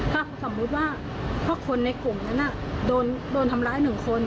ถ้าสมมติว่าเพราะคนในกลุ่มนั้นอ่ะโดนโดนทำร้ายหนึ่งคน